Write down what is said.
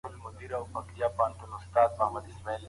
ښه انسان قدر لري